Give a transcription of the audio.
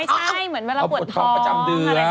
ไม่ใช่เหมือนเวลาปวดท้องอะไรแบบนี้อ้อปวดท้องประจำเดือน